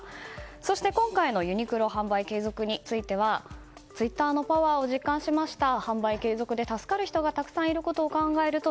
そして、今回のユニクロ販売継続についてはツイッターのパワーを実感しました販売継続で助かる人がたくさんいることを考えると